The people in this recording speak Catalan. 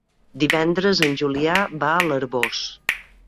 Divendres en Julià va a l'Arboç.